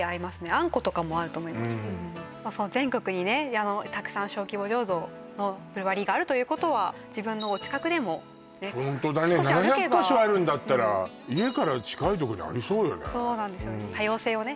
あんことかも合うと思います全国にねたくさん小規模醸造のブルワリーがあるということは自分のお近くでもホントだね少し歩けば７００か所あるんだったら家から近いとこにありそうよねそうなんですよね多様性をね